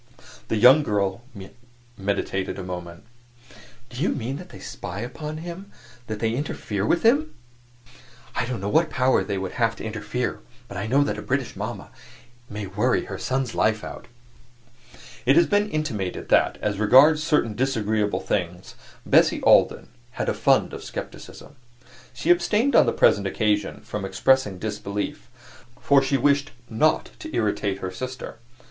The young girl meditated a moment. "Do you mean that they spy upon him that they interfere with him?" "I don't know what power they have to interfere, but I know that a British mama may worry her son's life out." It has been intimated that, as regards certain disagreeable things, Bessie Alden had a fund of skepticism. She abstained on the present occasion from expressing disbelief, for she wished not to irritate her sister.